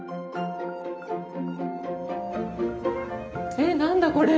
え何だこれ？